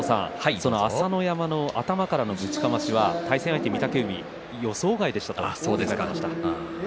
朝乃山の頭からのぶちかましは対戦相手御嶽海、予想外でしたということでした。